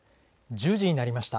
１０時になりました。